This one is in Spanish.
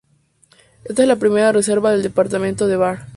Esta es la primera reserva del departamento de Var.